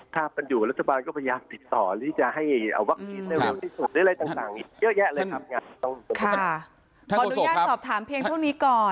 ขออนุญาตสอบถามเพียงเท่านี้ก่อน